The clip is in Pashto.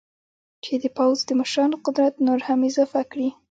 چې د پوځ د مشرانو قدرت نور هم اضافه کړي.